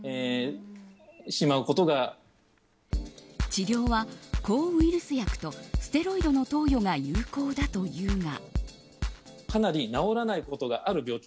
治療は抗ウイルス薬とステロイドの投与が有効だというが。